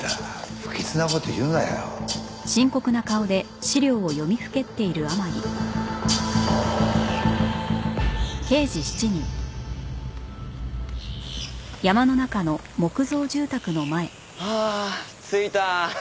不吉な事言うなよ。はあ着いた。